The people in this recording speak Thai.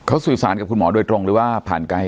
เขาสื่อสารกับคุณหมอโดยตรงหรือว่าผ่านไกล